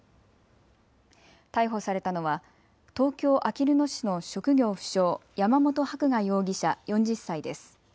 逮捕されたのは東京あきる野市の職業不詳、山本伯画容疑者、４０歳です。